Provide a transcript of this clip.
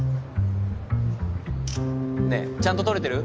ねえちゃんと撮れてる？